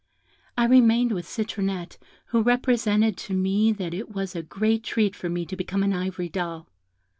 I remained with Citronette, who represented to me that it was a great treat for me to become an ivory doll.